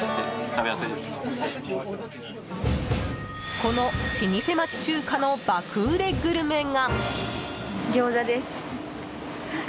この老舗町中華の爆売れグルメが。